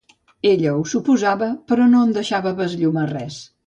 Ella ho suposava, però no en deixava besllumar res.